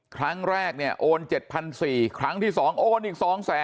ครั้งแรกเนี่ยโอน๗๔๐๐ครั้งที่๒โอนอีก๒๐๐๐